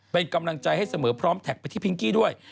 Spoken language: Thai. เป็นกำลังใจให้เสมอพร้อมแท็กไปที่พิงกี้ด้วย